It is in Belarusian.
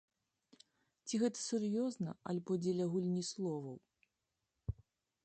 Ці гэта сур'ёзна, альбо дзеля гульні словаў?